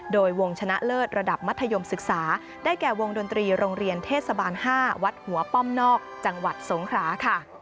โดยวงชนะเลิศระดับมัธยมศึกษาได้แก่วงดนตรีโรงเรียนเทศบาล๕วัดหัวป้อมนอกจังหวัดสงคราค่ะ